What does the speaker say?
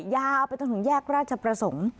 ยาเอาไปตรงแยกราชประสงค์